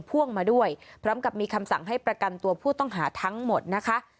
พ่วงมาด้วยพร้อมกับมีคำสั่งให้ประกันตัวผู้ต้องหาทั้งหมดนะคะ